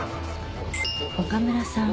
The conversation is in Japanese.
岡村さん